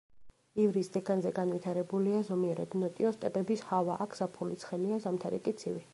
ივრის ზეგანზე განვითარებულია ზომიერად ნოტიო სტეპების ჰავა, აქ ზაფხული ცხელია, ზამთარი კი ცივი.